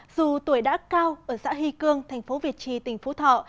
dù tuổi đã cao ở xã hy cương thành phố việt trì tỉnh phú thọ